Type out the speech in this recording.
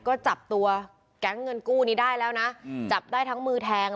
ก็จับตัวแก๊งเงินกู้นี้ได้แล้วนะจับได้ทั้งมือแทง